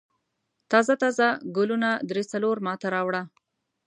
تازه تازه ګلونه درې څلور ما ته راوړه.